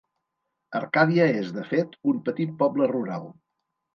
Arcàdia és, de fet, un petit poble rural.